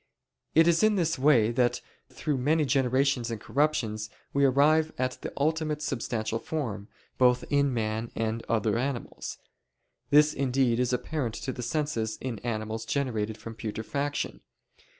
It is in this way that through many generations and corruptions we arrive at the ultimate substantial form, both in man and other animals. This indeed is apparent to the senses in animals generated from putrefaction.